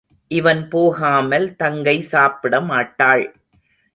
இவன் போகாமல் தங்கை சாப்பிடமாட்டாள்.